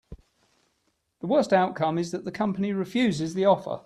The worst outcome is that the company refuses the offer.